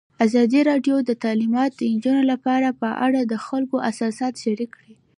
ازادي راډیو د تعلیمات د نجونو لپاره په اړه د خلکو احساسات شریک کړي.